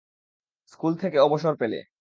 School থেকে অবসর পেলে।